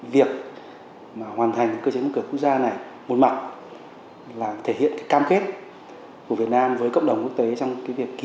việc hoàn thành cơ chế một cửa quốc gia này một mặt là thể hiện cam kết của việt nam với cộng đồng quốc tế